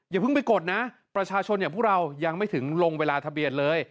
อย่าเพิ่งไปกดนะประชาชนอย่างพวกเรายังไม่ถึงลงเวลาทะเบียนเลย